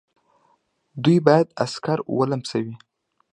دوی باید عسکر ولمسوي.